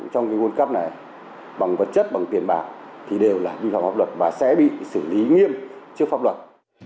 trong cái quân cấp này bằng vật chất bằng tiền bạc thì đều là đi vào hợp luật và sẽ bị xử lý nghiêm trước pháp luật